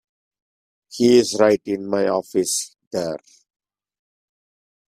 He's right in my office there.